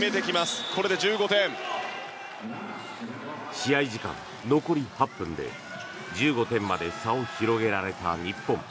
試合時間残り８分で１５点まで差を広げられた日本。